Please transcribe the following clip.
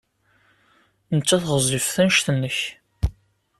Nettat ɣezzifet anect-nnek.